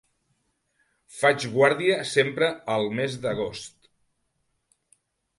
Faig guàrdia sempre al mes d'agost.